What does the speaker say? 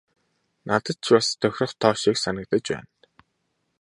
Надад ч бас тохирох тоо шиг санагдаж байна.